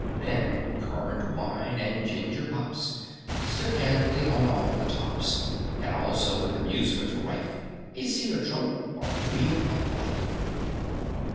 Then currant wine and ginger pops Stood handily on all the "tops;" And also, with amusement rife, A "Zoetrope, or Wheel of Life."